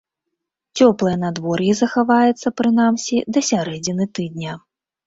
Цёплае надвор'е захаваецца прынамсі да сярэдзіны тыдня.